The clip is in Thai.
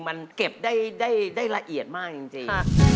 มันเก็บได้ละเอียดมากจริง